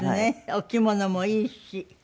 お着物もいいし。